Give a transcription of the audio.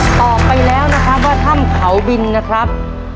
ตอบไปแล้วนะครับว่าถ้ำเขาบินนะครับ